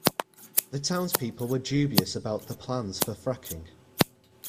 The townspeople were dubious about the plans for fracking